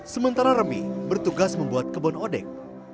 sementara remi bertugas membuat kebon odeg